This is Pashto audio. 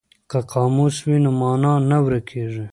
که قاموس وي نو مانا نه ورکیږي.